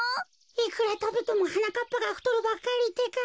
いくらたべてもはなかっぱがふとるばっかりってか。